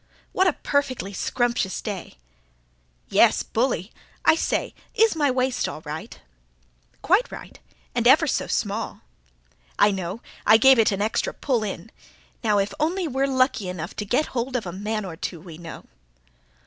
"What a perfectly scrumptious day!" "Yes, bully. I say, IS my waist all right?" "Quite right. And ever so small." "I know. I gave it an extra pull in. Now if only we're lucky enough to get hold of a man or two we know!"